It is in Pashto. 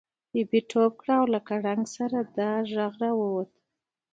ببۍ ټوپ کړه او له کړنګ سره دا غږ را ووت.